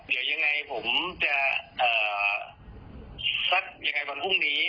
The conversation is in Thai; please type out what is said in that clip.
เดี๋ยวยังไงผมจะสักยังไงวันพรุ่งนี้